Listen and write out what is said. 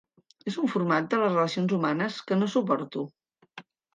És un format de les relacions humanes que no suporto.